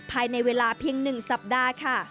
ภายในเวลาเพียง๑สัปดาห์ค่ะ